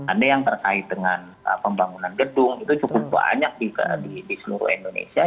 ada yang terkait dengan pembangunan gedung itu cukup banyak di seluruh indonesia